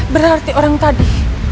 berarti orang tadi